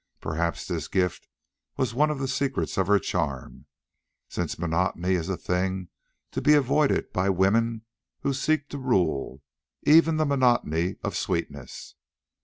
Perhaps this gift was one of the secrets of her charm, since monotony is a thing to be avoided by women who seek to rule, even the monotony of sweetness.